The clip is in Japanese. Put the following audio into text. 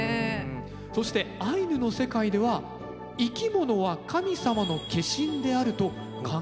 そしてアイヌの世界では生き物は神様の化身であると考えられています。